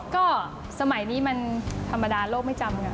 ก็สมัยนี้มันธรรมดาโลกไม่จำค่ะ